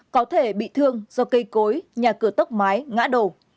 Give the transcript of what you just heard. có thể bị thương do cây cối nhà cửa tốc mái ngã đổ